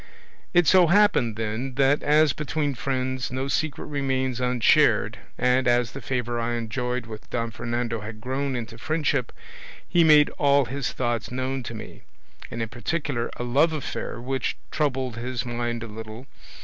It so happened, then, that as between friends no secret remains unshared, and as the favour I enjoyed with Don Fernando had grown into friendship, he made all his thoughts known to me, and in particular a love affair which troubled his mind a little.